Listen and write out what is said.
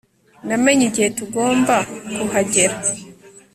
Namenye igihe tugomba kuhagera